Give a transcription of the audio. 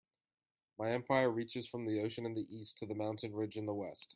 My empire reaches from the ocean in the East to the mountain ridge in the West.